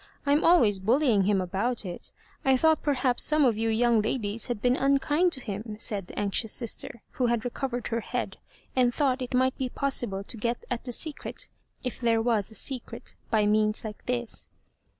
I am always bullying him about it I thought perhaps some of you young ladies had been unkind to him," said the anxious sister, who had recovered her head, and thought it might be possible to get at the secret, if there was a secret, by means like this.